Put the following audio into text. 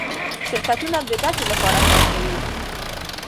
شرکتونه د ګټې لپاره کار کوي.